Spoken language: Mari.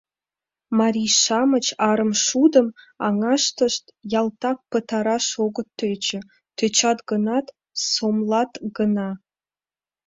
Марий-шамыч арымшудым аҥаштышт ялтак пытараш огыт тӧчӧ, тӧчат гынат, сомлат гына.